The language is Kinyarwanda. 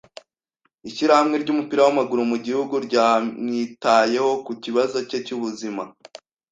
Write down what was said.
ishyirahamwe ry'umupira w'amaguru mu gihugu ryamwitayeho ku kibazo cye cy'ubuzima".